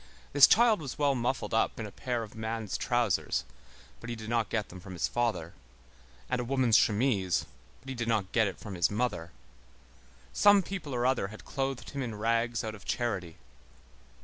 This child was well muffled up in a pair of man's trousers, but he did not get them from his father, and a woman's chemise, but he did not get it from his mother. Some people or other had clothed him in rags out of charity.